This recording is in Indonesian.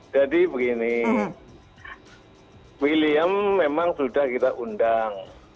jadi begini william memang sudah kita undang